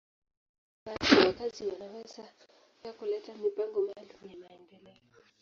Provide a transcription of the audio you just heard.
Lakini basi, wakazi wanaweza pia kuleta mipango maalum ya maendeleo.